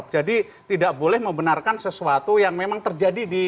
jadi tidak boleh membenarkan sesuatu yang memang terjadi di dalam hewan